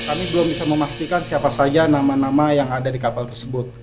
kami belum bisa memastikan siapa saja nama nama yang ada di kapal tersebut